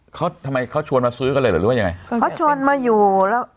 เขาทำไมเขาชวนมาซื้อกันเลยหรือว่ายังไงเขาชวนมาอยู่แล้ว